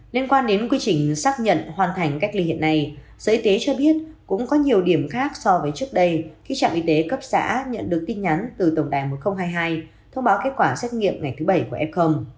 liên quan đến quy trình xác nhận hoàn thành cách ly hiện nay sở y tế cho biết cũng có nhiều điểm khác so với trước đây khi trạm y tế cấp xã nhận được tin nhắn từ tổng đài một nghìn hai mươi hai thông báo kết quả xét nghiệm ngày thứ bảy của f